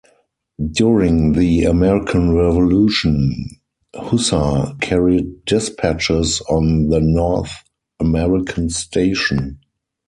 During the American Revolution, "Hussar" carried dispatches on the North American station.